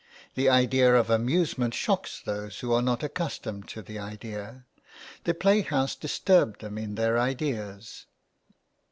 The idea of amusement shocks those who are not accustomed to the idea. The play house disturbed them in their ideas.